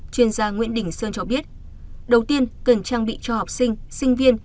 chuyên gia nguyễn đình sơn cho biết đầu tiên cần trang bị cho học sinh sinh viên